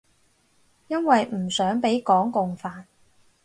因為唔想畀港共煩